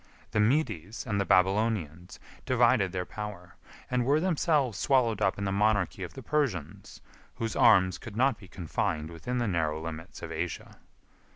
The Medes and the Babylonians divided their power, and were themselves swallowed up in the monarchy of the Persians, whose arms could not be confined within the narrow limits of Asia.